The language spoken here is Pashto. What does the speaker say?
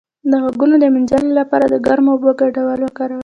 د غوږونو د مینځلو لپاره د ګرمو اوبو ګډول وکاروئ